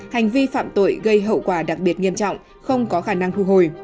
hành vi phạm tội gây hậu quả đặc biệt nghiêm trọng không có khả năng thu hồi